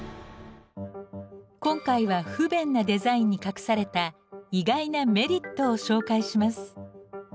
今回は不便なデザインに隠された意外なメリットを紹介します。